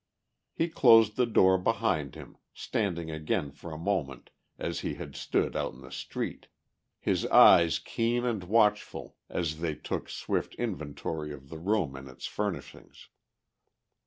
He closed the door behind him, standing again for a moment as he had stood out in the street, his eyes keen and watchful as they took swift inventory of the room and its furnishings.